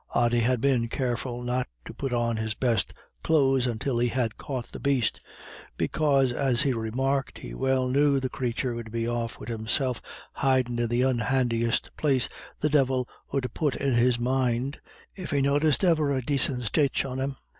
Ody had been careful not to put on his best clothes until he had caught the beast, because, as he remarked, "He well knew the crathur 'ud be off wid himself hidin' in the unhandiest place the divil 'ud put in his mind, if he noticed e'er a dacint stitch on him."